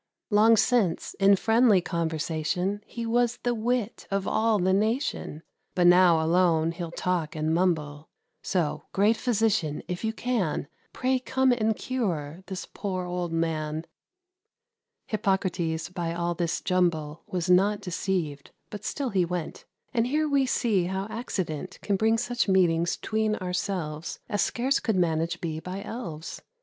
Long since, in friendly conversation, He was the wit of all the nation; But now alone he'll talk and mumble: So, great physician, if you can, Pray come and cure this poor old man." Hippocrates, by all this jumble, Was not deceived, but still he went; And here we see how accident Can bring such meetings 'tween ourselves As scarce could managed be by elves.